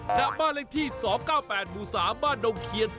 แต่บ้านเลี้ยงที่๒๙๘หมู๓บ้านดงเคียน